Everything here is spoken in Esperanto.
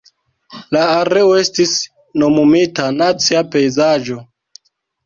La areo estis nomumita Nacia Pejzaĝo.